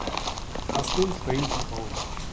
А стул стоит на полу.